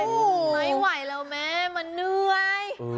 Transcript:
ไม่ไหวแล้วแม่มันเหนื่อย